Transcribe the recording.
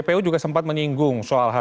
jpu juga sempat menyinggung soal hasil tes poli